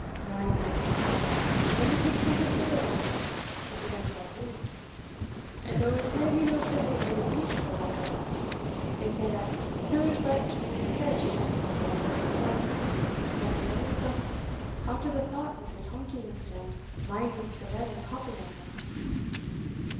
"Na, na, my leddy: I downa take muckle siller at ance it's against our rule; and though it's maybe no civil to be repeating the like o' that they say that siller's like to be scarce wi' Sir Arthur himsell, and that he's run himsell out o' thought wi' his honkings and minings for lead and copper yonder."